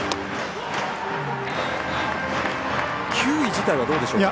球威自体はどうでしょうか。